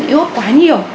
iod quá nhiều